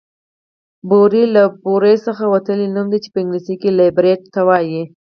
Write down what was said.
بوری له بور څخه وتلی نوم دی چې په انګليسي کې ليپرډ ته وايي